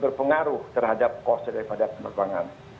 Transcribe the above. berpengaruh terhadap cost daripada penerbangan